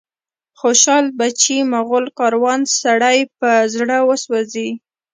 خوشال بچي، مغول کاروان، سړی په زړه وسوځي